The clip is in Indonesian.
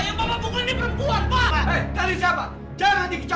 sekarang audiobook amat lagi starring di sebuah drama diaih